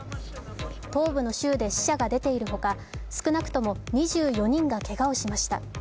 東部の州で死者が出ているほか、少なくとも２４人がけがをしました。